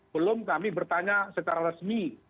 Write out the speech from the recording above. belum kami bertanya secara resmi